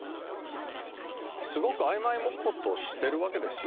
すごく曖昧模糊としてるわけですよ